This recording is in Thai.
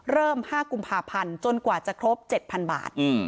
๕กุมภาพันธ์จนกว่าจะครบ๗๐๐บาท